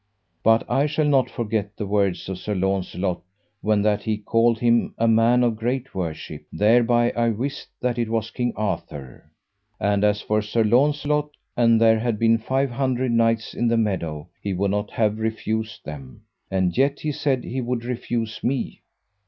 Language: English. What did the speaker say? But I shall not forget the words of Sir Launcelot when that he called him a man of great worship, thereby I wist that it was King Arthur. And as for Sir Launcelot, an there had been five hundred knights in the meadow, he would not have refused them, and yet he said he would refuse me.